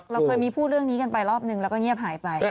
เราเคยมีพูดเรื่องนี้กันไปรอบนึงแล้วก็เงียบหายไป